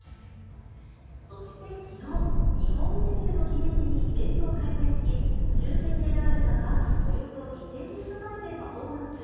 そしてきのう、日本デビューの記念日にイベントを開催し、抽せんで選ばれたファン、およそ２０００人の前でパフォーマンス。